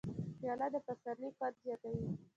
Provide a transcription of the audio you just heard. پیاله د پسرلي خوند زیاتوي.